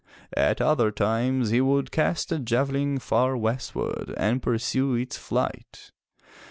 At other times he would cast a javelin far westward and pursue its flight.